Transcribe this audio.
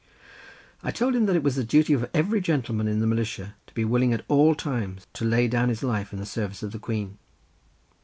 I told him that it was the duty of every gentleman in the militia, to be willing at all times to lay down his life in the service of the Queen.